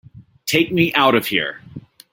Take me out of here!